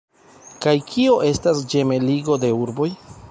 Kaj kio estas ĝemeligo de urboj?